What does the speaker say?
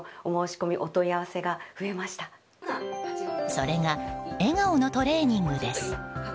それが笑顔のトレーニングです。